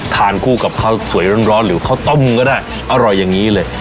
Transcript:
ทานคู่กับข้าวสวยร้อนหรือข้าวต้มก็ได้อร่อยอย่างนี้เลย